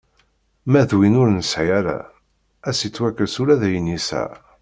Ma d win ur nesɛi ara, ad s-ittwakkes ula d ayen yesɛa.